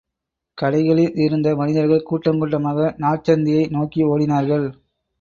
கடைகளில் இருந்த மனிதர்கள், கூட்டங் கூட்டமாக நாற்சந்தியை நோக்கி ஓடினார்கள்.